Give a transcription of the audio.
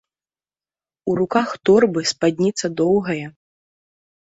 У руках торбы, спадніца доўгая.